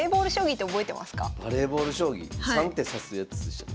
高橋さんバレーボール将棋３手指すやつでしたっけ？